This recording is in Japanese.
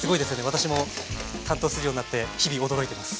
私も担当するようになって日々驚いてます。